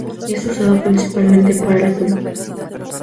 Es usado principalmente para el fútbol.